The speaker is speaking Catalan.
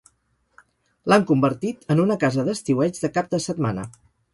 L'han convertit en una casa d'estiueig de cap de setmana.